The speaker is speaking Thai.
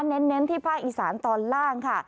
เน้นที่ภาคอีสานตอนล่างค่ะ